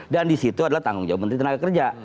dan di situ adalah tanggung jawab menteri tenaga kerja